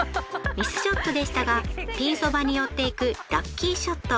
ミスショットでしたがピンそばに寄っていくラッキーショット。